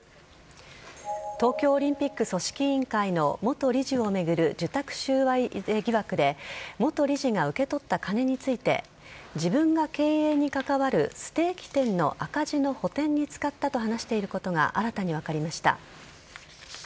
東京オリンピック組織委員会の元理事を巡る受託収賄疑惑で、元理事が受け取った金について、自分が経営に関わるステーキ店の赤字の補填に使ったと話していることが新たに分かりました。